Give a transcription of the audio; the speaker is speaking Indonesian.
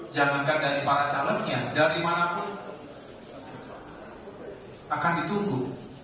jangankan dari para calonnya dari mana pun akan ditunggu